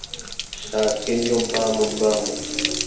Shake yo Bam Bam